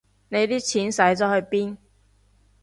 你啲錢使咗去邊